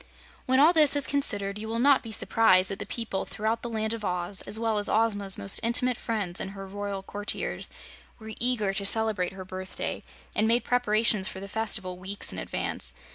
When all this is considered, you will not be surprised that the people throughout the Land of Oz, as well as Ozma's most intimate friends and her royal courtiers, were eager to celebrate her birthday, and made preparations for the festival weeks in advance.